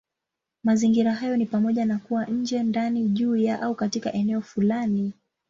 Mazingira hayo ni pamoja na kuwa nje, ndani, juu ya, au katika eneo fulani.